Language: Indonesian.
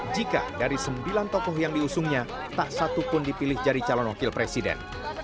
jika dari sembilan tokoh yang diusungnya tak satupun dipilih jadi calon wakil presiden